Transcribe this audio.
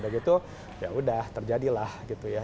udah gitu ya udah terjadilah gitu ya